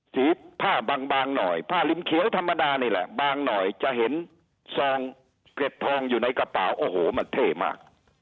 สีผ้าบางหน่อยผ้าริมเขียวธรรมดานี่แหละบางหน่อยจะเห็นซองเกร็ดทองอยู่ในกระเป๋าโอ้โหมันเท่มาก